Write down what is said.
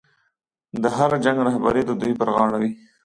د هر جنګ رهبري د دوی پر غاړه وه.